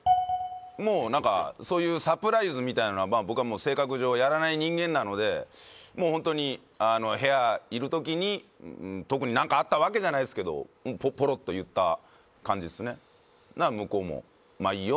もう何かそういうサプライズみたいなのは僕はもう性格上やらない人間なのでもうホントに部屋いる時に特に何かあったわけじゃないすけどポロッと言った感じっすねなら向こうも「まあいいよ」